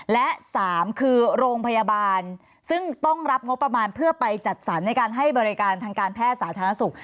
และ๓คือโรงพยาบาลซึ่งต้องรับงบประมาณเพื่อไปจัดสรรในการให้บริการทางการแพทย์สาธารณสุข